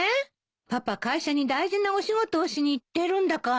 パパ会社に大事なお仕事をしに行ってるんだから。